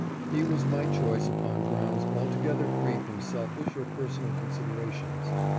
He was my choice upon grounds altogether free from selfish or per sonal considerations.